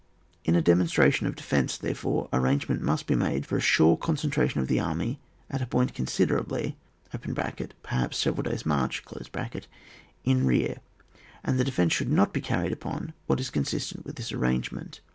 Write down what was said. In a demonstra tion of defence, therefore, arrangement must be made for a sure concentration of the army at a point considerably (per haps several days' march) in rear, and the defence should not be carried beyond what is consistent with this arrangement.